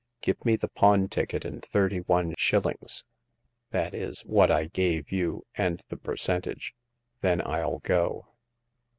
"Give me the pawn ticket and thirty one shil lings—that is, what I gave you, and the percent age. Then FU go."